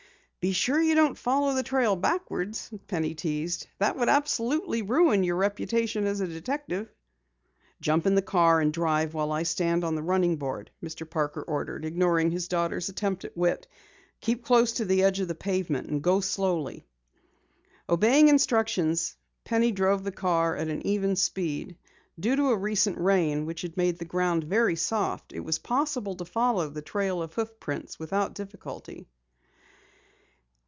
"Be sure you don't follow the trail backwards," Penny teased. "That would absolutely ruin your reputation as a detective." "Jump in the car and drive while I stand on the running board," Mr. Parker ordered, ignoring his daughter's attempt at wit. "Keep close to the edge of the pavement and go slowly." Obeying instructions, Penny drove the car at an even speed. Due to a recent rain which had made the ground very soft, it was possible to follow the trail of hoof prints without difficulty.